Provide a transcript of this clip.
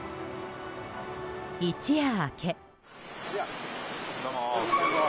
一夜明け。